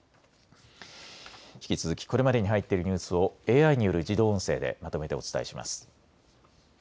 引き続きこれまでに入っているニュースをＡＩによる自動音声でまとめてお伝えします。